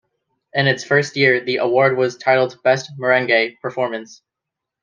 In its first year the award was titled Best Merengue Performance.